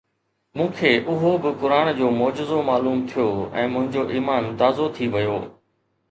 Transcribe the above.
مون کي اهو به قرآن جو معجزو معلوم ٿيو ۽ منهنجو ايمان تازو ٿي ويو